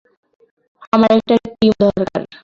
আমার একটা টিম দরকার।